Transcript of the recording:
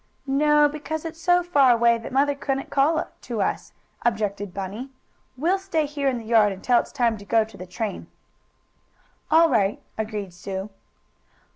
"No, because it's so far away that mother couldn't call to us," objected Bunny. "We'll stay here in the yard until it's time to go to the train." "All right," agreed Sue.